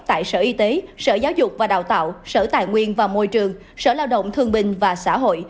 tại sở y tế sở giáo dục và đào tạo sở tài nguyên và môi trường sở lao động thương bình và xã hội